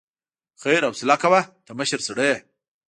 خير حوصله کوه، ته مشر سړی يې.